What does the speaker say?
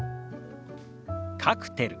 「カクテル」。